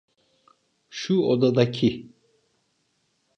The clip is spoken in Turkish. Şu odadaki?